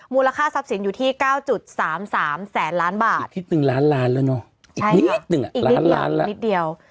มูลค่าทรัพย์สินอยู่ที่๙๓๓แสนล้านบาทอีกนิดหนึ่งล้านล้านแล้วเนอะอีกนิดเดียว